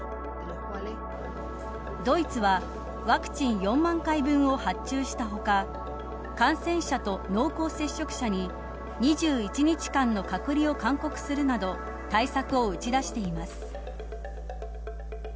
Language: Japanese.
ドイツはワクチン４万回分を発注した他感染者と濃厚接触者に２１日間の隔離を勧告するなど対策を打ち出しています。